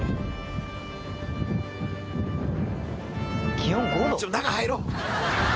気温５℃？